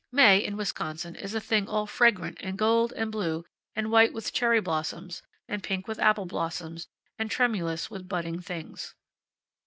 May, in Wisconsin, is a thing all fragrant, and gold, and blue; and white with cherry blossoms; and pink with apple blossoms; and tremulous with budding things.